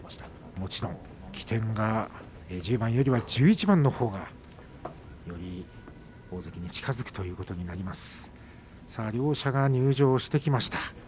もちろん起点が１０番よりは１１番のほうが大関に近づくということになります。両者が入場してきました。